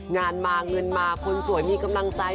งานมาเงินมาคนสวยมีกำลังใจ